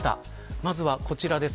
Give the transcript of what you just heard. まずはこちらです。